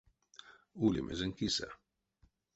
Ули мезень кисэ.